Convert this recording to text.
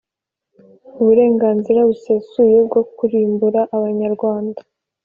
uburenganzira busesuye bwo kurimbura abanyarwanda.